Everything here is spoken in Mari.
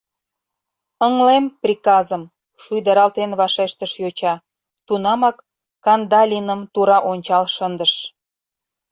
— Ыҥлем... приказым, — шуйдаралтен вашештыш йоча, тунамак Кандалиным тура ончал шындыш.